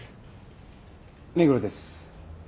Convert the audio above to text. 目黒です。